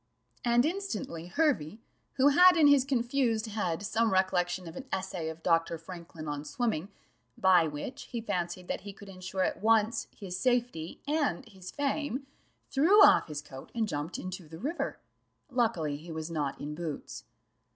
'" and instantly Hervey, who had in his confused head some recollection of an essay of Dr. Franklin on swimming, by which he fancied that he could ensure at once his safety and his fame, threw off his coat and jumped into the river luckily he was not in boots.